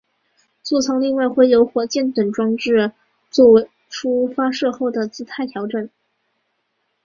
坐舱另外会有火箭等装备作出发射后的姿态调整。